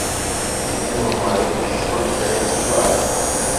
Prin urmare, există o diferență clară.